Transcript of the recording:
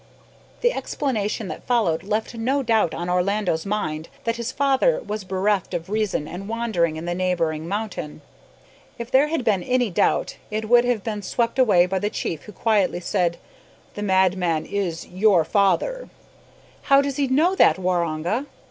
The explanation that followed left no doubt on Orlando's mind that his father was bereft of reason, and wandering in the neighbouring mountain. If there had been any doubt, it would have been swept away by the chief, who quietly said, "the madman is your father!" "How does he know that Waroonga?"